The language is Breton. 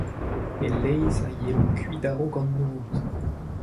E-leizh a yelo kuit a-raok an noz.